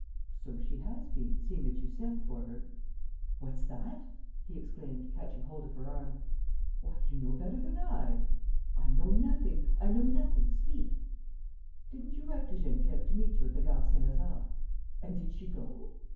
"So she has been, seeing that you sent for her." "What's that?" he exclaimed catching hold of her arm. "Why, you know better than I!" "I know nothing. ... I know nothing. ... Speak! ..." "Didn't you write to Geneviève to meet you at the Gare Saint Lazare?" "And did she go?"